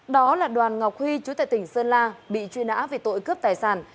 đó là đoàn ngọc huy chú tại tỉnh sơn la bị truy nã về tội cướp tài sản